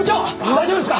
大丈夫ですか？